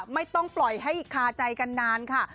ไม่ต้องปล่อยให้คาใจกันนานค่ะ